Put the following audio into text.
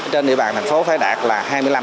trên địa bàn thành phố phải đạt là hai mươi năm